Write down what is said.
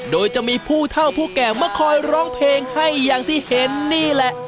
โดยจะมีผู้เท่าผู้แก่มาคอยร้องเพลงให้อย่างที่เห็นนี่แหละ